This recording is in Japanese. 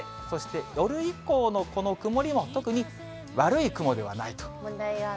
そして夜以降のこの曇りも、特に悪い雲問題はないと。